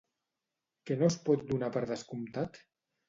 Què no es pot donar per descomptat?